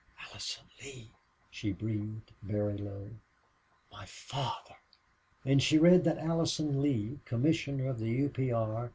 "Allison Lee!" she breathed, very low. "MY FATHER!" And she read that Allison Lee, commissioner of the U. P. R.